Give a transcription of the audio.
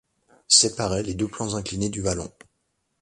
Séparaient les deux plans inclinés du vallon.